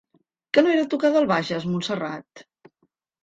Que no era a tocar del Bages, Montserrat?